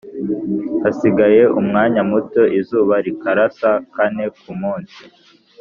Hasigaye umwanya muto izuba rikarasa kane ku umunsi